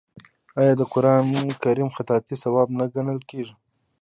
آیا د قران کریم خطاطي ثواب نه ګڼل کیږي؟